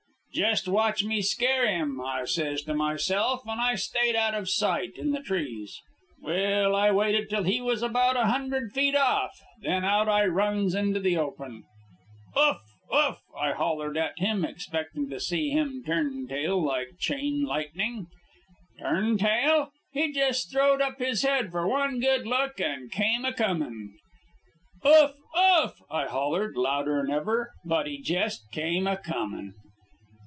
"'Jest watch me scare him,' I says to myself, and I stayed out of sight in the trees. "Well, I waited till he was about a hundred feet off, then out I runs into the open. "'Oof! oof!' I hollered at him, expectin' to see him turn tail like chain lightning. "Turn tail? He jest throwed up his head for one good look and came a comin'. "'Oof! oof!' I hollered, louder'n ever. But he jest came a comin'.